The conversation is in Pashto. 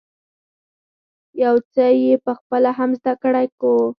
يو څه یې په خپله هم زده کړی وو.